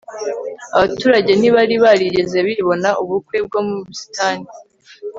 abaturage ntibari barigeze bibona ubukwe bwo mu busitani